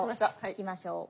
いきましょう。